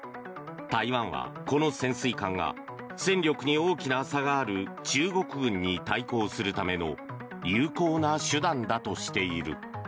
台湾は、この潜水艦が戦力に大きな差がある中国軍に対抗するための有効な手段だとしている。